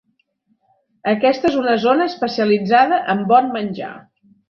Aquesta és una zona especialitzada en bon menjar.